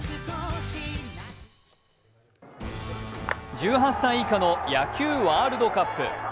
１８歳以下の野球ワールドカップ。